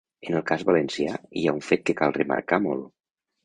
En el cas valencià hi ha un fet que cal remarcar molt.